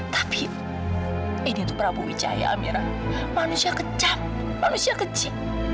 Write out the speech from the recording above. tapi ini tuh prabu wijaya amira manusia kejam manusia keji